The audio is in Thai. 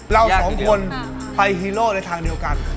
เราสองคนไปฮีโร่ในทางเดียวกัน